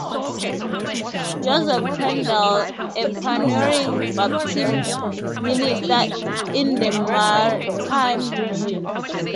Joseph Crandall, a pioneering Baptist minister in the maritime region.